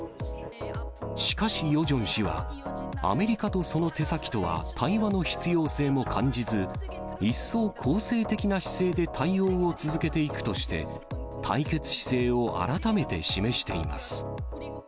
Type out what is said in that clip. しかしヨジョン氏は、アメリカとその手先とは対話の必要性も感じず、一層攻勢的な姿勢で対応を続けていくとして、対決姿勢を改めて示しています。